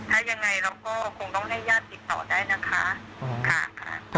ถ้ายังไงเราก็คงต้องให้ญาติติดต่อได้นะคะค่ะ